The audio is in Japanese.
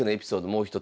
もう一つ。